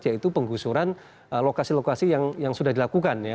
yaitu penggusuran lokasi lokasi yang sudah dilakukan ya